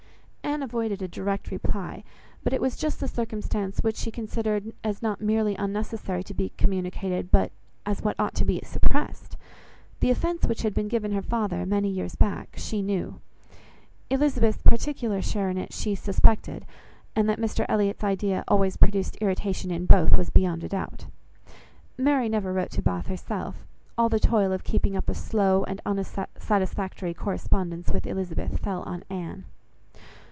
Anne avoided a direct reply, but it was just the circumstance which she considered as not merely unnecessary to be communicated, but as what ought to be suppressed. The offence which had been given her father, many years back, she knew; Elizabeth's particular share in it she suspected; and that Mr Elliot's idea always produced irritation in both was beyond a doubt. Mary never wrote to Bath herself; all the toil of keeping up a slow and unsatisfactory correspondence with Elizabeth fell on Anne.